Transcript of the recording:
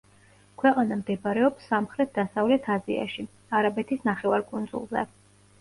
ქვეყანა მდებარეობს სამხრეთ-დასავლეთ აზიაში, არაბეთის ნახევარკუნძულზე.